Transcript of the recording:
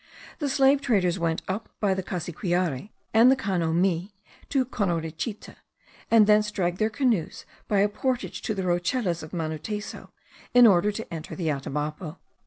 The slave traders went up by the Cassiquiare and the Cano Mee to Conorichite; and thence dragged their canoes by a portage to the rochelas of Manuteso, in order to enter the Atabapo.